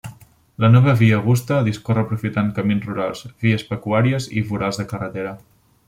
La nova Via Augusta, discorre aprofitant camins rurals, vies pecuàries i vorals de carretera.